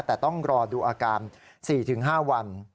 แต่ต้องรอดูอาการ๔๕วัน